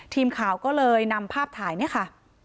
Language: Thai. ทีมข่าวก็เลยนำภาพถ่ายเนี่ยค่ะ